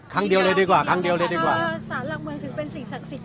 ครั้งเดียวเลยดีกว่าครั้งเดียวเลยดีกว่าเออสารหลักเมืองคือเป็นสิ่งศักดิ์สิทธิ